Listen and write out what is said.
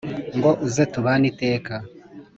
ngo uze tubane iteka